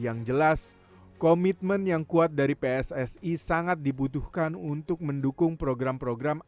yang jelas komitmen yang kuat dari pssi sangat dibutuhkan untuk mendukung program program